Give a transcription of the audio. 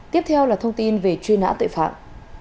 tiếp theo là thông tin về trường hợp